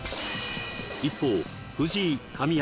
一方藤井神山